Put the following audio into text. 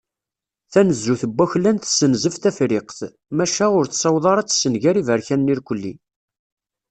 Tanezzut n waklan tessenzef Tafriqt, maca ur tessaweḍ ara ad tessenger Iberkanen irkelli.